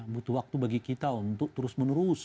butuh waktu bagi kita untuk terus menerus